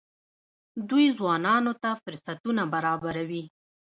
دوی ځوانانو ته فرصتونه برابروي.